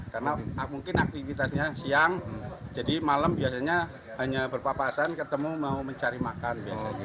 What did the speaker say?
karena mungkin aktivitasnya siang jadi malam biasanya hanya berpapasan ketemu mau mencari makan